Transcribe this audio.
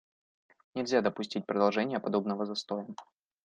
Нельзя допустить продолжения подобного застоя.